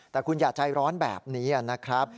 แต่คุณอย่าใจร้อนแบบนี้นะครับ